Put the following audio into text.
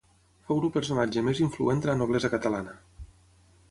Fou el personatge més influent de la noblesa catalana.